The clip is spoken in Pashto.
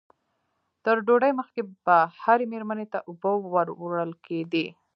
تر ډوډۍ مخکې به هرې مېرمنې ته اوبه ور وړل کېدې.